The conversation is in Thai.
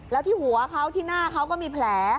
แล้วที่หัวเขาที่หน้าเขาก็มีแผล